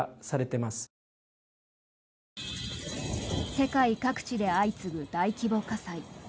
世界各地で相次ぐ大規模火災。